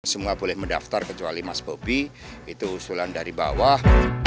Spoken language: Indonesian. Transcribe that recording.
semua boleh mendaftar kecuali mas bobi itu usulan dari bawah